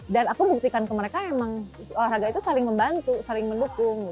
dan aku buktikan ke mereka emang olahraga itu saling membantu saling mendukung